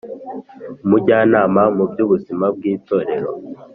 Umujyanama mu by ubuzima bw Itorero